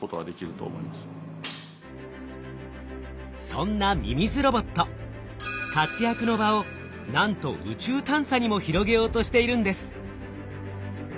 そんなミミズロボット活躍の場をなんと宇宙探査にも広げようとしているんです。